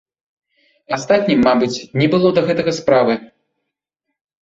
Астатнім, мабыць, не было да гэтага справы.